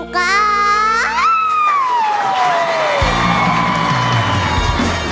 ครับ